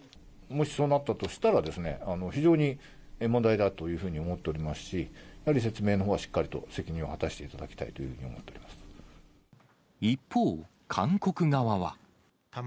もしそうなったとしたらですね、非常に問題だというふうに思っておりますし、やはり説明のほうはしっかりと責任を果たしていただきたいという一方、韓国側は。